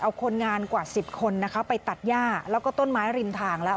เอาคนงานกว่า๑๐คนนะคะไปตัดย่าแล้วก็ต้นไม้ริมทางแล้ว